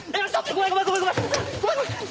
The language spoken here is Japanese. ごめんごめん。